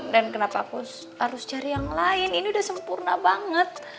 dan kenapa aku harus cari yang lain ini udah sempurna banget